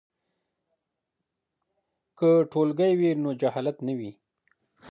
که ټولګی وي نو جهالت نه وي.